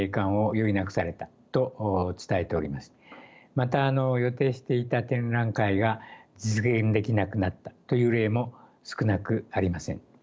また予定していた展覧会が実現できなくなったという例も少なくありません。